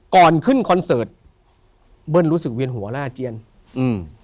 ก่อนขึ้นคอนเสิร์ตเบิ้ลรู้สึกเวียนหัวล่าเจียนอืม